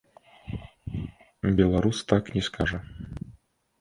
Беларус так не скажа.